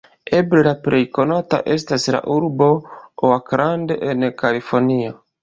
Eble le plej konata estas la urbo Oakland en Kalifornio.